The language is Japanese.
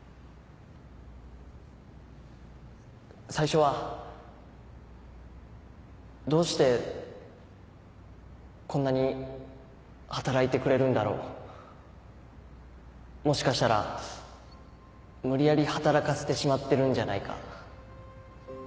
最初はどうしてこんなに働いてくれるんだろうもしかしたら無理やり働かせてしまってるんじゃないか。